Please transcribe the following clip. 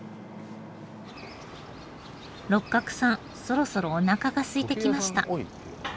六角さんそろそろおなかがすいてきました。